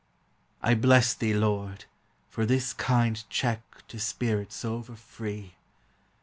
I bless thee. Lord, for this kind check To spirits over free!